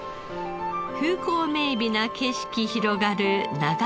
風光明媚な景色広がる長門市。